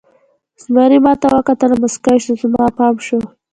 زمري ما ته وکتل او موسکی شو، زما پام شو.